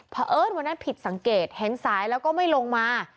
เพราะเอิ้นวันนั้นผิดสังเกตเห็นสายแล้วก็ไม่ลงมา